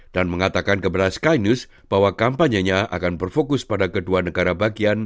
dan mengatakan keberas kainus bahwa kampanye nya akan berfokus pada kedua negara bagian